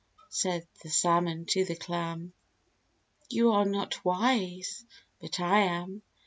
said the Salmon to the Clam; "You are not wise, but I am.